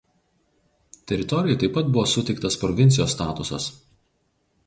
Teritorijai taip pat buvo suteiktas provincijos statusas.